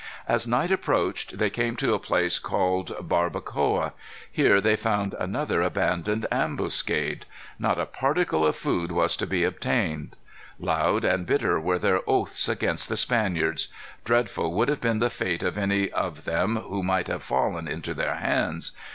As night approached they came to a place called Barbacoa. Here they found another abandoned ambuscade. Not a particle of food was to be obtained. Loud and bitter were their oaths against the Spaniards. Dreadful would have been the fate of any of them who might have fallen into their hands.